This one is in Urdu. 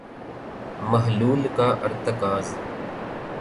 محلول کا ارتکاز